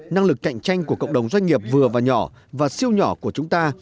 năng lực cạnh tranh của cộng đồng doanh nghiệp vừa và nhỏ và siêu nhỏ của chúng ta